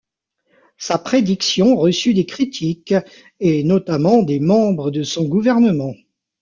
Sa prédiction reçut des critiques, et notamment des membres de son gouvernement.